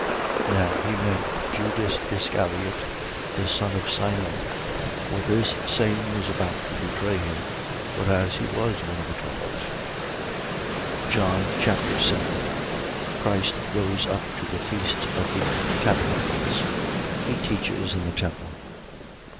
6:72. Now he meant Judas Iscariot, the son of Simon: for this same was about to betray him, whereas he was one of the twelve. John Chapter 7 Christ goes up to the feast of the tabernacles. He teaches in the temple.